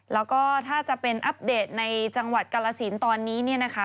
แล้วก็ถ้าจะเป็นอัปเดตในจังหวัดกาลสินตอนนี้เนี่ยนะคะ